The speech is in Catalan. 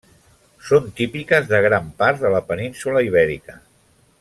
Són típiques de gran part de la península Ibèrica.